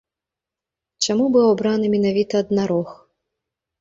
Чаму быў абраны менавіта аднарог?